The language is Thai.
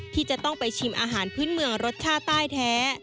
ที่จะต้องไปชิมอาหารพื้นเมืองรสชาติใต้แท้